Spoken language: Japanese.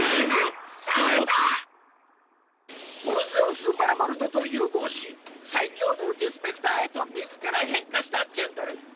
ヴォルゼオス・バラモルドと融合し最強のディスペクターへと自ら変化したジェンドル。